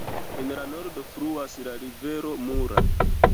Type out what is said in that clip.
En la nordo fluas la rivero Mura.